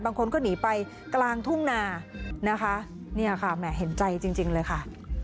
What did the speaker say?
บางคนก็หนีไปกลางทุ่งนานะคะเนี่ยค่ะแหมเห็นใจจริงเลยค่ะ